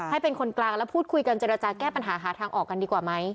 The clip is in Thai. ให้เป็นคนกลางแล้วพูดคุยกันเจรจาแก้ปัญหาหาทางออกกันดีกว่าไหม